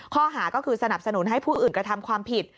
ข้อหาก็คือสนับสนุนให้ผู้อื่นกระทำความผิด